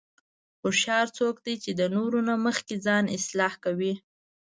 هوښیار څوک دی چې د نورو نه مخکې ځان اصلاح کوي.